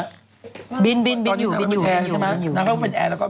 อันนี้นางเขามีแชร์ใช่มะนางเขาเป็นแอร์แล้วก็